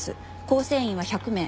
構成員は１００名。